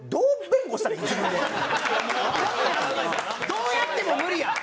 どうやっても無理やん。